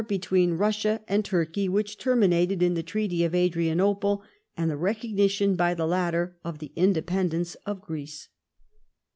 1G9 between Russia and Turkey which terminated in the treaty of Adriano])le, and the recognition by the latter of the independence of Greece.